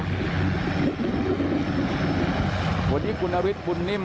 สวัสดีคุณอฤทธิ์คุณนิ่ม